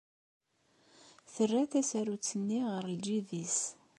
Terra tasarut-nni ɣer ljib-nnes.